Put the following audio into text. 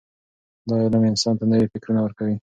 دا علم انسان ته نوي فکرونه ورکوي.